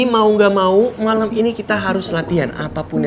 sudah boli ikan